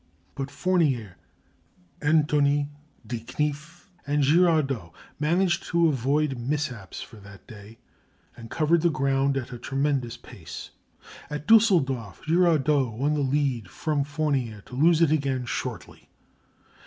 But Fournier, Antony, De Knyff, and Girardot managed to avoid mishaps for that day, and covered the ground at a tremendous pace. At Düsseldorf Girardot won the lead from Fournier, to lose it again shortly.